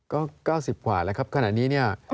ก็๙๐กว่าแล้วครับขณะนี้